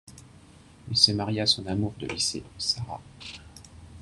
Il s'est marié à son amour de lycée, Sarah.